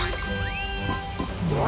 うわ！